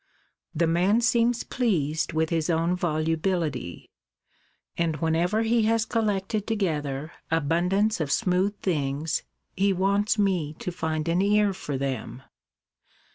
The man seems pleased with his own volubility; and, whenever he has collected together abundance of smooth things, he wants me to find an ear for them!